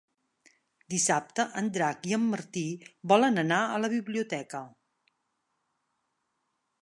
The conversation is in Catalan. Dissabte en Drac i en Martí volen anar a la biblioteca.